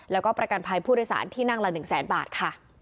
แล้วก็ประกันภัยผู้โดยสารที่นั่งละ๑แสนบาทค่ะ